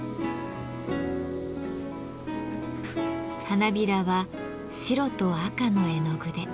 花びらは白と赤の絵の具で。